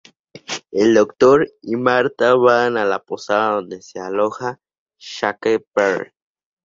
El Doctor y Martha van a la posada donde se aloja Shakespeare.